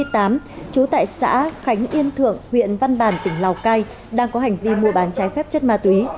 trú tại xã khánh yên thượng huyện văn bàn tỉnh lào cai đang có hành vi mua bán trái phép chất ma túy